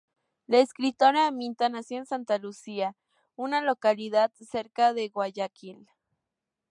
La escritora Aminta nació en Santa Lucía, una localidad cercana a Guayaquil.